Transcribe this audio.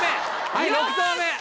はい６投目。